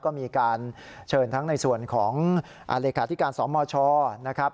ก็มีการเชิญทั้งในส่วนของเลขาธิการสมชนะครับ